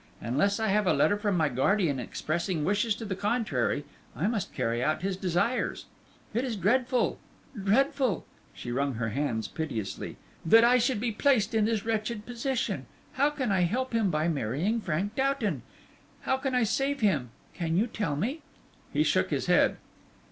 "Unless I have a letter from my guardian expressing wishes to the contrary, I must carry out his desires. It is dreadful dreadful," she wrung her hands piteously, "that I should be placed in this wretched position. How can I help him by marrying Frank Doughton? How can I save him can you tell me?" He shook his head.